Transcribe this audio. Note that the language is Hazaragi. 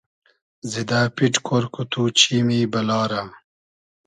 زیدۂ پیݖ کۉر کو تو چیمی بئلا رۂ